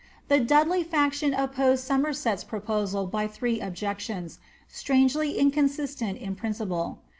The Dudley faction opposed Somerset's proposal by three objections,' strange* ly inconsistent in principle.